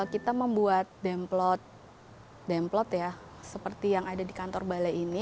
kita membuat demplot ya seperti yang ada di kantor balai ini